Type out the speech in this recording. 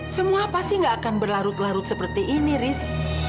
semua pasti gak akan berlarut larut seperti ini ris